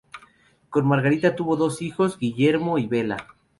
Con Margarita tuvo dos hijos, Guillermo y Bela.